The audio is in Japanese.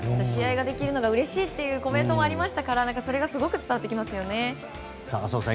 試合ができるのがうれしいというコメントがありましたからそれがすごく伝わってきますよね。